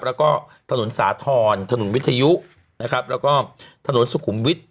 แล้วก็ถนนสาธรณ์ถนนวิทยุนะครับแล้วก็ถนนสุขุมวิทย